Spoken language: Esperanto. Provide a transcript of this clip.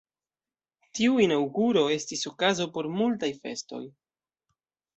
Tiu inaŭguro estis okazo por multaj festoj.